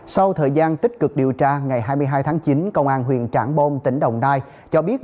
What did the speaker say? sau thời gian tích cực điều tra ngày hai mươi hai tháng chín công an huyện trảng bom tỉnh đồng nai cho biết